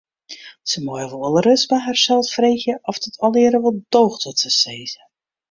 Se meie wolris by harsels freegje oft it allegearre wol doocht wat se sizze.